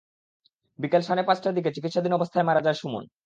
বিকেল সাড়ে পাঁচটা দিকে চিকিৎসাধীন অবস্থায় মারা যায় সুমন।